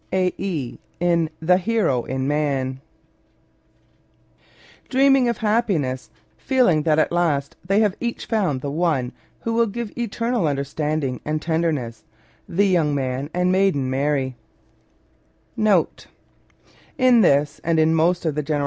— iE. in " The Hero in Man." DREAMING of happiness, feeline that at last they have each found the one who will give eternal understanding and tenderness, the young man and maiden marry.